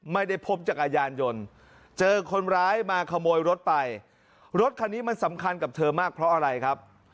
ไม่ได้พบจักรยานยนต์เจอคนร้ายมาขโมยรถไปรถคันนี้มันสำคัญกับเธอมากเพราะอะไรครับ